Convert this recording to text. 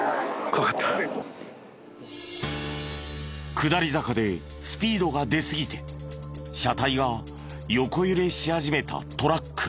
下り坂でスピードが出すぎて車体が横揺れし始めたトラック。